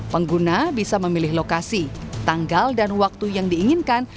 pengguna bisa memilih lokasi tanggal dan waktu yang diinginkan